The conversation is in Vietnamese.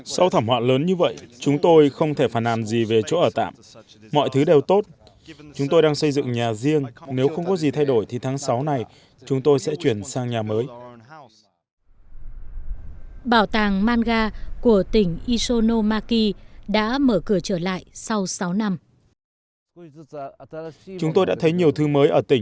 bảo tàng manga của tỉnh ishinomaki đã mở cửa trở lại sau sáu năm